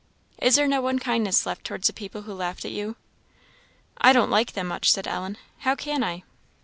"Is there no unkindness left towards the people who laughed at you?" "I don't like them much," said Ellen "how can I?"